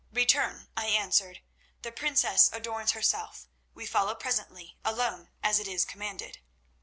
"'Return,' I answered; 'the princess adorns herself. We follow presently alone, as it is commanded.